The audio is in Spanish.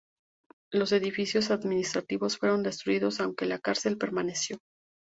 Los edificios administrativos fueron destruidos aunque la cárcel permaneció.